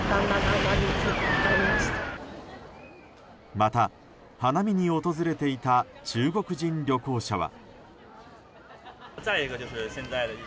また花見に訪れていた中国人旅行者は。